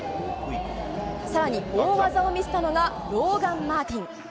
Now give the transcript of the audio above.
さらに大技を見せたのがローガン・マーティン。